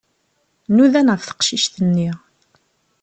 Nudan ɣef teqcict-nni.